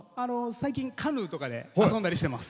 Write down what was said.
最近、カヌーとかで遊んだりしてます。